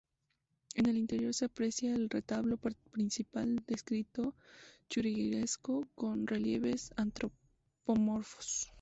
En el interior se aprecia el retablo principal de estilo churrigueresco con relieves antropomorfos.